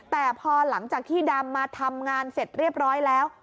แต่พอหลังจากที่ดำมาทำงานเสร็จเรียบร้อยแล้ว